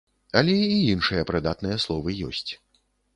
Але і іншыя прыдатныя словы ёсць.